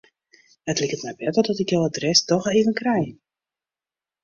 It liket my better dat ik jo adres dochs even krij.